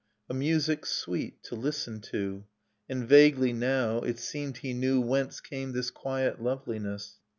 ... A music sweet to listen to: And vaguely now it seemed he knew Whence came this quiet loveliness.